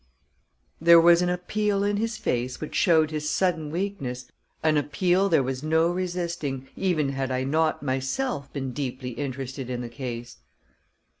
There was an appeal in his face which showed his sudden weakness an appeal there was no resisting, even had I not, myself, been deeply interested in the case.